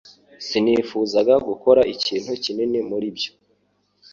Sinifuzaga gukora ikintu kinini muri byo